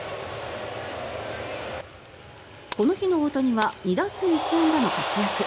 この日の大谷は２打数１安打の活躍。